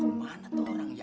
ya allah kemana tuh orangnya